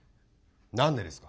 何でですか。